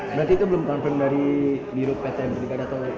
berarti itu belum confirm dari biru pt merdeka datang